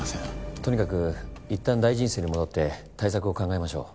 とにかく一旦大臣室に戻って対策を考えましょう。